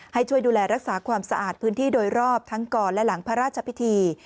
ให้ช่วยดูแลรักษาความสะอาดพื้นที่โดยรอบทั้งก่อนและหลังพระราชพิธี